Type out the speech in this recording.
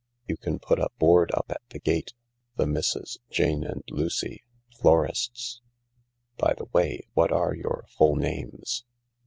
You can put a board up at the gate :' The Misses Jane and Lucy, Florists/ By the way, what are your full names